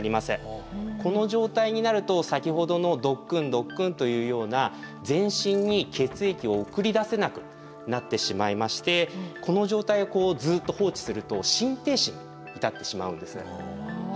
この状態になると先ほどのドックンドックンというような全身に血液を送り出せなくなってしまいましてこの状態をずっと放置すると心停止に至ってしまうんです。